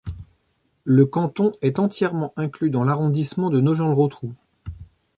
Le canton est entièrement inclus dans l'arrondissement de Nogent-le-Rotrou.